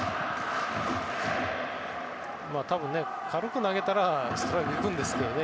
多分、軽く投げたらストライクいくんですけどね。